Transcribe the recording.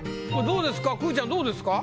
これどうですか？